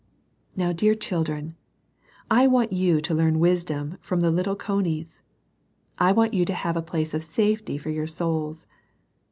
Now, dear children, I want you to learn wis dom from the little conies. I want you to have a place of safety for your souls.